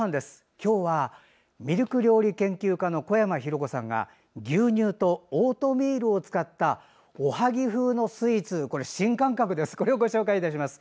今日は、ミルク料理研究家の小山浩子さんが牛乳とオートミールを使ったおはぎ風のスイーツをご紹介します。